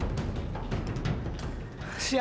jadi abis perekuran anak anak saya